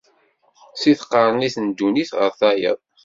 Si tqernit n ddunit ɣer tayeḍ.